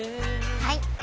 はい！